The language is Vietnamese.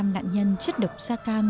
nạn nhân chất độc sa cam